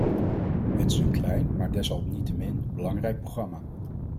Het is een klein maar desalniettemin belangrijk programma.